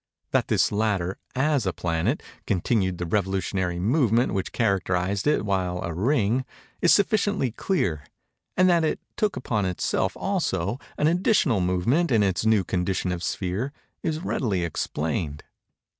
That this latter, as a planet, continued the revolutionary movement which characterized it while a ring, is sufficiently clear; and that it took upon itself also, an additional movement in its new condition of sphere, is readily explained.